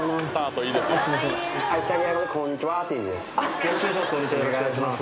よろしくお願いします。